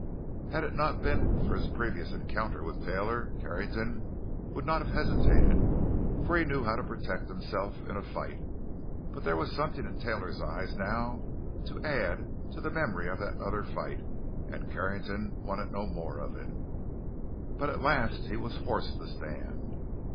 Had it not been for his previous encounter with Taylor, Carrington would not have hesitated, for he knew how to protect himself in a fight; but there was something in Taylor's eyes now to add to the memory of that other fight, and Carrington wanted no more of it. But at last he was forced to stand.